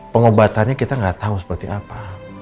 pengobatannya kita gak tau seperti apa